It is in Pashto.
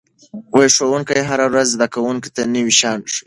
ښوونکي هره ورځ زده کوونکو ته نوي شیان ښيي.